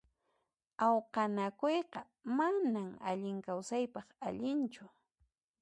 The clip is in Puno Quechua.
Awqanakuyqa manan allin kawsaypaq allinchu.